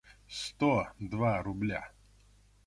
сто два рубля